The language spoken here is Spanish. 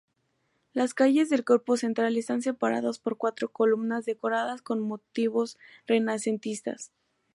Las calles del cuerpo central están separadas por cuatro columnas decoradas con motivos renacentistas.